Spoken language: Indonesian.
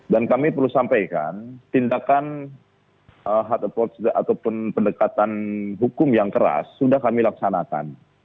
dan kami perlu sampaikan tindakan hard approach ataupun pendekatan hukum yang keras sudah kami laksanakan